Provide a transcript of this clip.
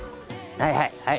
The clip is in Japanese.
はいはいはい。